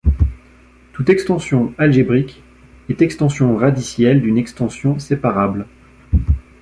Toute extension algébrique est extension radicielle d'une extension séparable.